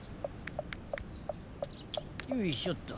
よいしょっと。